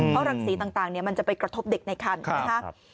เพราะรักษีต่างมันจะไปกระทบเด็กในครรภ์นะฮะ